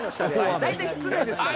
大体室内ですから。